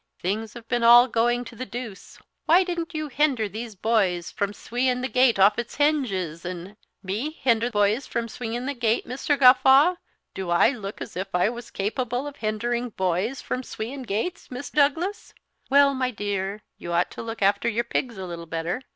Things have been all going to the deuce. Why didn't you hinder these boys from sweein' the gate off its hinges, and " "Me hinder boys from sweein' gates, Mr. Gawffaw! Do I look like as if I was capable of hindering boys from sweein' gates, Miss Douglas?" "Well, my dear, you ought to look after your pigs a little better.